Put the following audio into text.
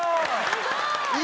すごーい！